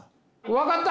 分かった！